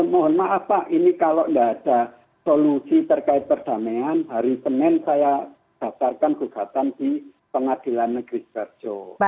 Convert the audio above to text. mohon maaf pak ini kalau tidak ada solusi terkait perdamaian hari senin saya daftarkan gugatan di pengadilan negeri seharjo